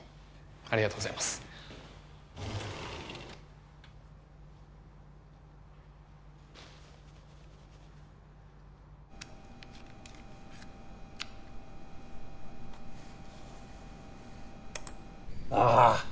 ありがとうございますああ